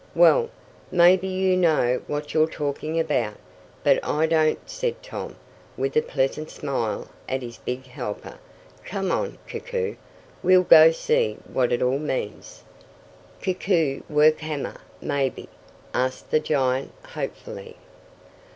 "Well, maybe you know what you're talking about, but I don't," said Tom, with a pleasant smile at his big helper. "Come on, Koku, we'll go see what it all means." "Koku work hammer, maybe?" asked the giant hope fully.